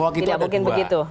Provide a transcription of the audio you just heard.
hoki itu ada dua